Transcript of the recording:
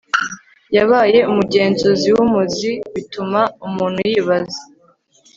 yabaye umugenzuzi wumuzi bituma umuntu yibaza